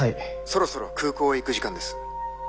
そろそろ空港へ行く時間です。